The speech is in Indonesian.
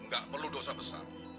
gak perlu dosa besar